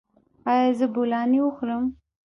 ایا زه بولاني وخورم؟